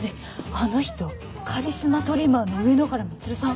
あの人カリスマトリマーの上野原美鶴さん？